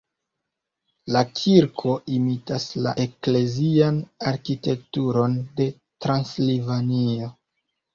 La kirko imitas la eklezian arkitekturon de Transilvanio.